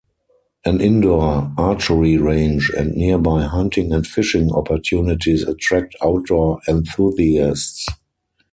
An indoor archery range and nearby hunting and fishing opportunities attract outdoor enthusiasts.